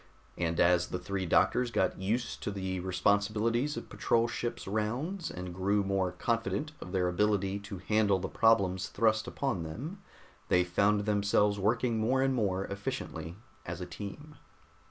And as the three doctors got used to the responsibilities of a patrol ship's rounds, and grew more confident of their ability to handle the problems thrust upon them, they found themselves working more and more efficiently as a team.